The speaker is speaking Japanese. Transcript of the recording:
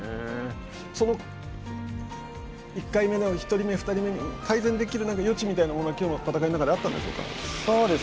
その１回目の１人目、２人目に改善できる余地みたいなものはきょうの戦いの中であったんですか？